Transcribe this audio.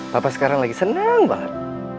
bapak sekarang lagi senang banget